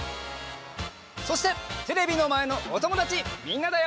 そしてテレビのまえのおともだちみんなだよ！